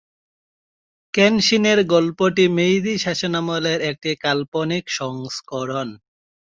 কেনশিনের গল্পটি মেইজি শাসনামলের একটি কাল্পনিক সংস্করণ।